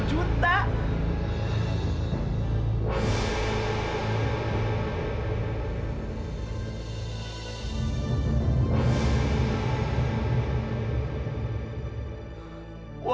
itu juga ber crime maksimal